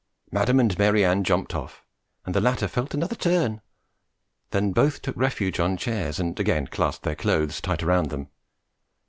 Madam and Mary Ann jumped off, and the latter felt another "turn"; then both took refuge on chairs and again clasped their clothes tight round them.